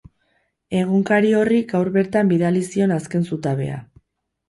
Egunkari horri gaur bertan bidali zion azken zutabea.